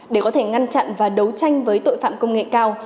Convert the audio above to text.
để có thể ngăn chặn và đấu tranh với tội phạm công nghệ cao